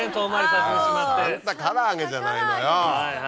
さんたからあげじゃないのよ。